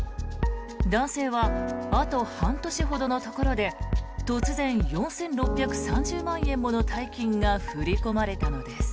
男性はあと半年ほどのところで突然、４６３０万円もの大金が振り込まれたのです。